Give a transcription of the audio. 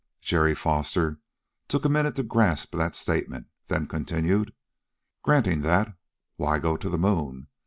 Jerry Foster took a minute to grasp that statement, then continued: "Granting that, why go to the moon?